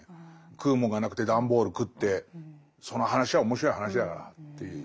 食うもんがなくて段ボール食ってその話は面白い話だからっていう。